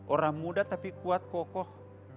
orang muda tapi kuat kokoh